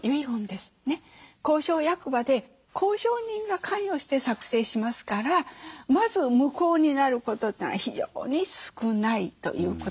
公証役場で公証人が関与して作成しますからまず無効になることってのが非常に少ないということですよね。